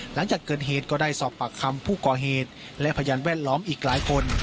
หลังจากเกิดเหตุก็ได้สอบปากคำผู้ก่อเหตุและพยานแวดล้อมอีกหลายคน